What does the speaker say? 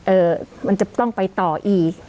มันจะต้องไปต่ออีก